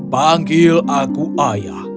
panggil aku ayah